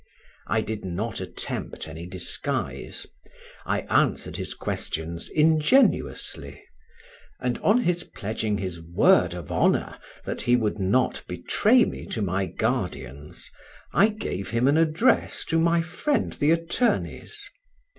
I did not attempt any disguise; I answered his questions ingenuously, and, on his pledging his word of honour that he would not betray me to my guardians, I gave him an address to my friend the attorney's.